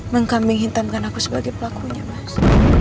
mengkambing hitamkan aku sebagai pelakunya mas